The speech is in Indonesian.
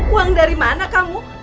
uang dari mana kamu